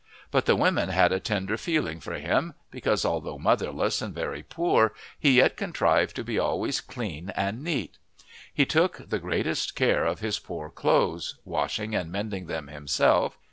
But the women had a tender feeling for him, because, although motherless and very poor, he yet contrived to be always clean and neat. He took the greatest care of his poor clothes, washing and mending them himself.